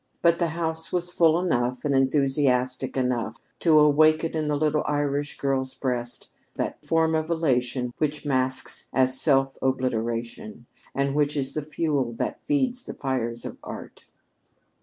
But the house was full enough and enthusiastic enough to awaken in the little Irish girl's breast that form of elation which masks as self obliteration, and which is the fuel that feeds the fires of art.